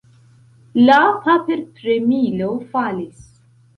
La paperpremilo falis.